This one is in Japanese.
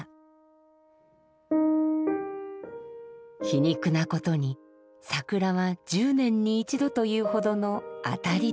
皮肉なことに桜は１０年に１度というほどの当たり年。